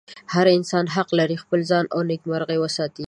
هر انسان حق لري خپل ځان او نېکمرغي وساتي.